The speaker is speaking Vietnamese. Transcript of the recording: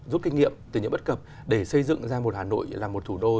rút kinh nghiệm từ những bất cập để xây dựng ra một hà nội là một thủ đô